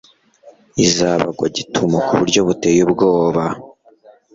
izabagwa gitumo ku buryo buteye ubwoba